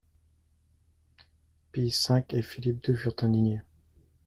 Pie cinq et Philippe deux furent indignés.